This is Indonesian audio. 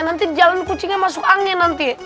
nanti jalan kucingnya masuk angin nanti